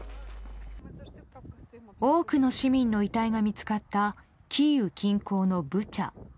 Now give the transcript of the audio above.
多くの市民の遺体が見つかったキーウ近郊のブチャ。